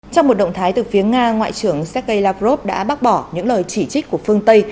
trong một động thái từ phía nga ngoại trưởng sergei lavrov đã bác bỏ những lời chỉ trích của phương tây